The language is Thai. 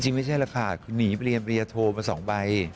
จริงไม่ใช่แหละค่ะหนีไปเรียนไปเรียนโทรมาสองใบ